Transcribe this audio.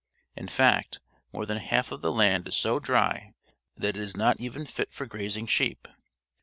In fact, more than half of the land is so dry that it is not even fit for grazing sheep.